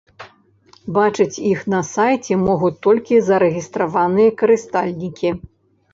Бачыць іх на сайце могуць толькі зарэгістраваныя карыстальнікі.